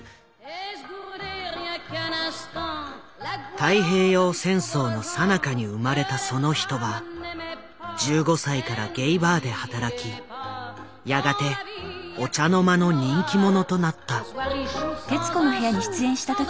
太平洋戦争のさなかに生まれたその人は１５歳からゲイバーで働きやがてお茶の間の人気者となった。